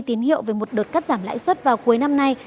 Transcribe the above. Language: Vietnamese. tín hiệu về một đợt cắt giảm lãi suất vào cuối năm nay